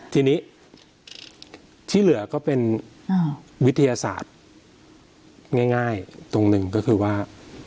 ทีนี้ที่เหลือก็เป็นวิทยาศาสตร์ง่ายตรงหนึ่งก็คือว่า